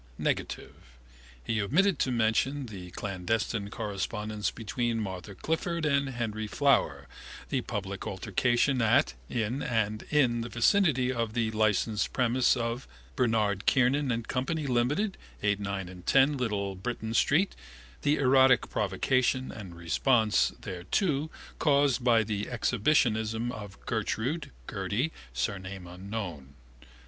Negative: he omitted to mention the clandestine correspondence between Martha Clifford and Henry Flower, the public altercation at, in and in the vicinity of the licensed premises of Bernard Kiernan and Co, Limited, 8, 9 and 10 Little Britain street, the erotic provocation and response thereto caused by the exhibitionism of Gertrude (Gerty), surname unknown.